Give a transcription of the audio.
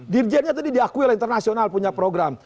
dirjanya tadi diakui lah internasional punya program